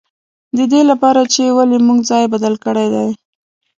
د دې له پاره چې ولې موږ ځای بدل کړی دی.